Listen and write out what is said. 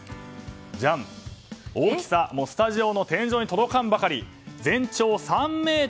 大きさスタジオの天井に届かんばかり全長３ｍ３５ｃｍ。